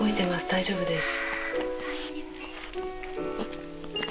大丈夫です。